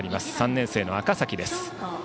３年生の赤嵜です。